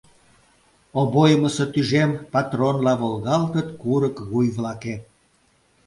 Обоймысо тӱжем патронла волгалтыт курык вуй-влакет.